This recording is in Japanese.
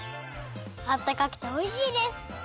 あったかくておいしいです！